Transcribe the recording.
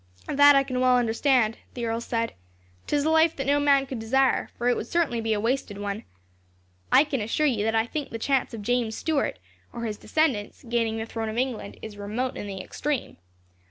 "That I can well understand," the earl said. "'Tis a life that no man could desire, for it would certainly be a wasted one. I can assure you that I think the chance of James Stuart, or his descendants, gaining the throne of England is remote in the extreme.